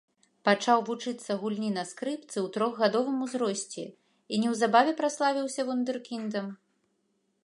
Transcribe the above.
Пачаў вучыцца гульні на скрыпцы ў трохгадовым узросце і неўзабаве праславіўся вундэркіндам.